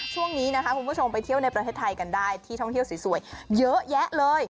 ช่วงนี้นะคะคุณผู้ชมไปเที่ยวในประเทศไทยกันได้ที่ท่องเที่ยวสวยเยอะแยะเลย